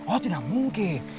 oh tidak mungkin